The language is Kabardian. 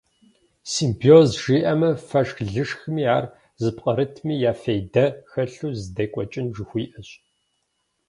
Симбиоз жиӏэмэ, фэшх-лышхми ар зыпкърытми я фейдэ хэлъу зэдекӏуэкӏын жыхуиӏэщ.